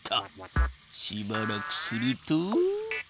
しばらくすると。